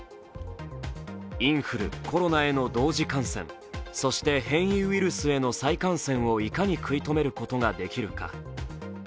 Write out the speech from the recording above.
インフル、コロナへの同時感染、そして、変異ウイルスへの再感染をいかに食い止めることが出来るか。